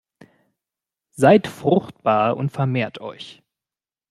Seid fruchtbar und vermehrt euch!